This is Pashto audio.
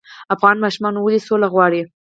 افغان ماشومان ولې سوله غواړي؟